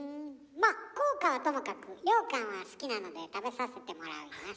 まあ効果はともかく羊羹は好きなので食べさせてもらいます。